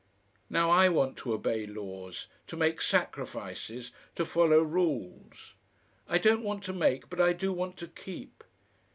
Now I want to obey laws, to make sacrifices, to follow rules. I don't want to make, but I do want to keep.